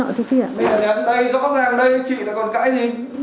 đây là nhắn đây rõ ràng đây chị lại còn cãi gì